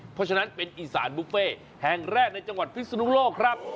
เพราะฉะนั้นเป็นอีสานบุฟเฟ่แห่งแรกในจังหวัดพิศนุโลกครับ